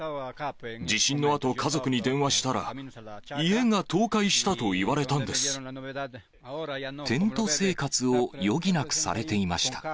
地震のあと、家族に電話したら、テント生活を余儀なくされていました。